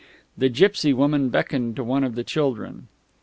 The gipsy woman beckoned to one of the children.